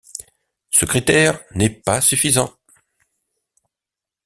Ce critère n'est pas suffisant.